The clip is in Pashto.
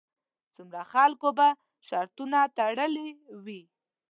څومره خلکو به شرطونه تړلې وي.